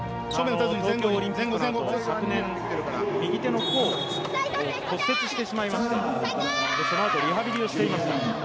東京オリンピックのあと、昨年、右手の甲を骨折してしまいましてそのあとリハビリをしていました。